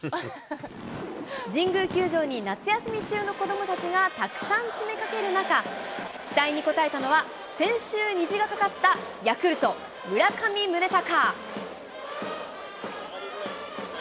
神宮球場に夏休み中の子どもたちがたくさん詰めかける中、期待に応えたのは、先週虹が架かった、ヤクルト、村上宗隆。